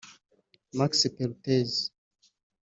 Max Perutz